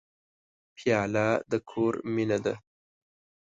پیاله د کور مینه ده.